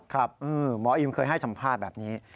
ครับหมออิมเคยให้สัมภาษณ์แบบนี้